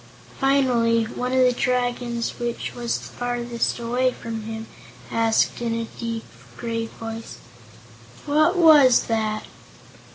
Finally one of the Dragons which was farthest away from him asked, in a deep, grave voice: "What was that?"